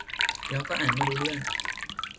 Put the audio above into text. แล้วก็อ่านไม่รู้เรื่อง